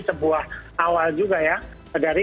sebuah awal juga ya dari